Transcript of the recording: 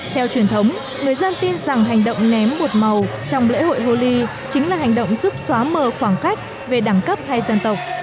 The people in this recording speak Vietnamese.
theo truyền thống người dân tin rằng hành động ném bột màu trong lễ hội holi chính là hành động giúp xóa mờ khoảng cách về đẳng cấp hay dân tộc